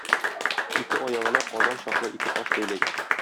Ике аягына казан чаклы ике таш бәйләгән.